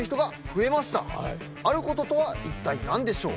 あることとは一体何でしょう？